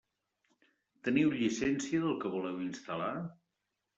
Teniu llicència del que voleu instal·lar?